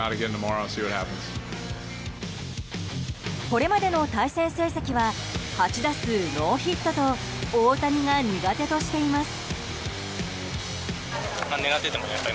これまでの対戦成績は８打数ノーヒットと大谷が苦手としています。